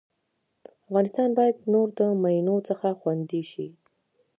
افغانستان بايد نور د مينو څخه خوندي سي